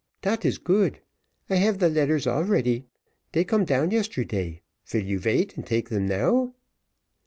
"Dat is good. I have the letters all ready; dey come down yesterday vil you vait and take them now?"